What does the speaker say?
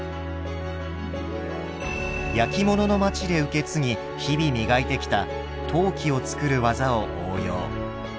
焼き物の町で受け継ぎ日々磨いてきた陶器を作る技を応用。